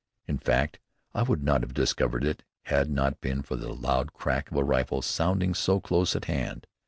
In fact, I would not have discovered it had it not been for the loud crack of a rifle sounding so close at hand.